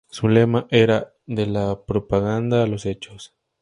Su lema era: "De la propaganda a los Hechos".